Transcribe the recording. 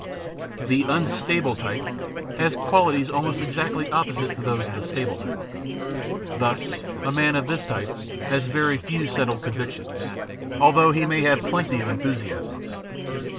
The unstable type has qualities almost exactly opposite to those of the stable type. Thus, a man of this type has very few settled convictions, although he may have plenty of enthusiasms.